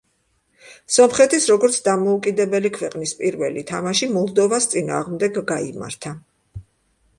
სომხეთის, როგორც დამოუკიდებელი ქვეყნის პირველი თამაში მოლდოვას წინააღმდეგ გაიმართა.